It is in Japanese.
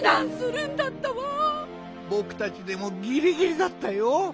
ぼくたちでもギリギリだったよ。